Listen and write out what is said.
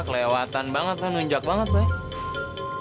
kelewatan banget kan nunjak banget pak